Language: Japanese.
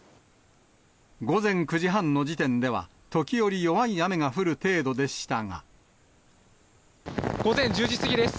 午前９時半の時点では、午前１０時過ぎです。